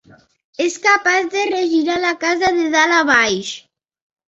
És capaç de regirar la casa de dalt a baix.